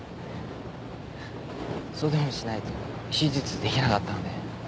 そうでもしないと手術できなかったので。